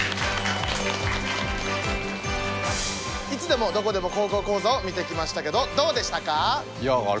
「いつでもどこでも高校講座」を見てきましたけどどうでしたか？